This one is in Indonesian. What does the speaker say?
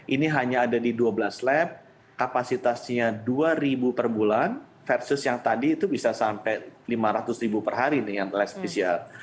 ini hanya ada di dua belas lab kapasitasnya dua ribu per bulan versus yang tadi itu bisa sampai lima ratus ribu per hari nih yang tes pcr